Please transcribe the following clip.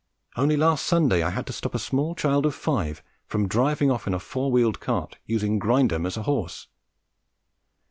Only last Sunday I had to stop a small child of five from driving off in a four wheeled cart, using Grindum as a horse.